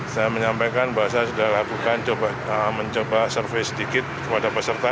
saya menyampaikan bahwa saya sudah lakukan mencoba survei sedikit kepada peserta